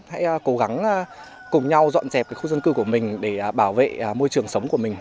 hãy cố gắng cùng nhau dọn dẹp khu dân cư của mình để bảo vệ môi trường sống của mình